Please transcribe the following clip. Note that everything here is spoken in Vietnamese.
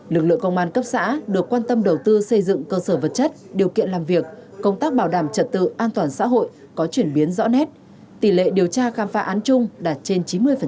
lực lượng công an cấp xã được quan tâm đầu tư xây dựng cơ sở vật chất điều kiện làm việc công tác bảo đảm trật tự an toàn xã hội có chuyển biến rõ nét tỷ lệ điều tra khám phá án chung đạt trên chín mươi